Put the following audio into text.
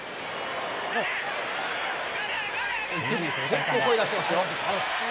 結構声出してますよ。